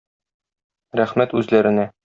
Рәхмәт үзләренә.